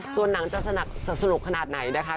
ส่วนหนังจะสนุกขนาดไหนนะคะ